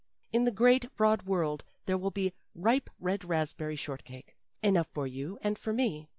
In the great broad world there will be ripe red raspberry shortcake enough for you and for me.